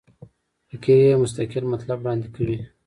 فقره یو مستقل مطلب وړاندي کوي.